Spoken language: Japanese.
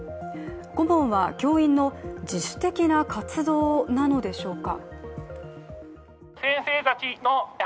顧問は教員の自主的な活動なのでしょうか。